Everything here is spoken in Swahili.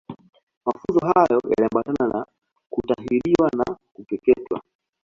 Mafunzo hayo yaliambatana na kutahiriwa au kukeketwa